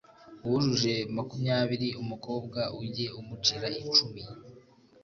Uwujuje makumyabiri umukobwa ujye umucira icumi